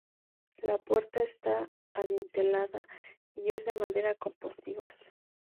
La puerta está adintelada y es de madera con postigos.